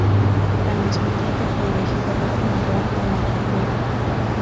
Al mismo tiempo, fue elegido gobernador de Magdeburgo.